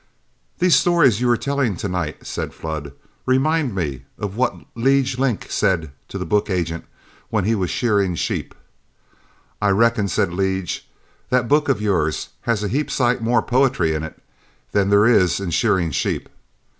"These stories you are all telling to night," said Flood, "remind me of what Lige Link said to the book agent when he was shearing sheep. 'I reckon,' said Lige, 'that book of yours has a heap sight more poetry in it than there is in shearing sheep.'